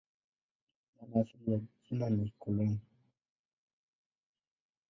Maana asili ya jina ni "koloni".